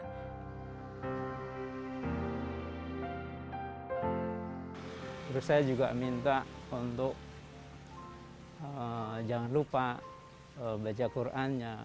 terus saya juga minta untuk jangan lupa baca qurannya